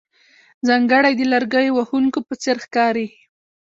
ځانګړی د لرګیو وهونکو په څېر ښکارې.